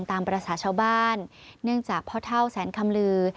ตามภาษาชาวบ้านเนื่องจากพ่อเท่าแสนคำลือ